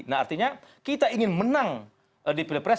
nah artinya kita ingin menang di pilpres